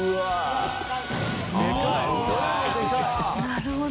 なるほど。